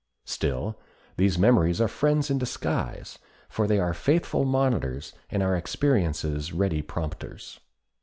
Still, these memories are friends in disguise, for they are faithful monitors, and are experience's ready prompters.